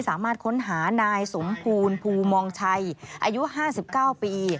สามารถค้นหานายสมภูลภูมองชัยอายุ๕๙ปี